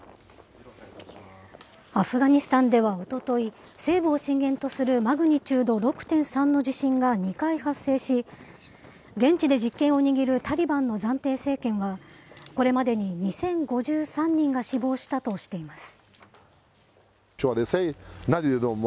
アフガニスタンではおととい、西部を震源とするマグニチュード６．３の地震が２回発生し、現地で実権を握るタリバンの暫定政権は、これまでに２０５３人が死亡したとしています。